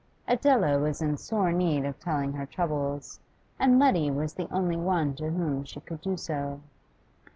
Adela was in sore need of telling her troubles, and Letty was the only one to whom she could do so.